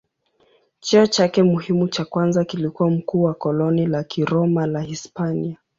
Cheo chake muhimu cha kwanza kilikuwa mkuu wa koloni la Kiroma la Hispania.